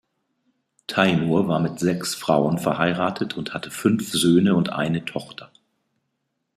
Taimur war mit sechs Frauen verheiratet und hatte fünf Söhne und eine Tochter.